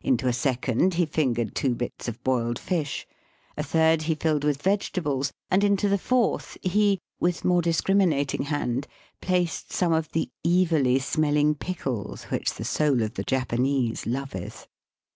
Into a ^second he fingered two hits of hoiled fish ; a third he filled with vegetables, and into the fourth he, with more discriminating hand, placed some of the evilly smelling pickles which the soul of the Japanese loveth.